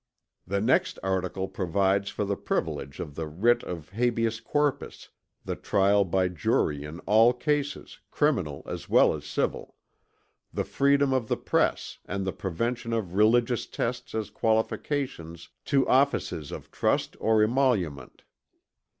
"The next article provides for the privilege of the writ of habeas corpus the trial by jury in all cases, criminal as well as civil the freedom of the press and the prevention of religious tests as qualifications to offices of trust or emolument.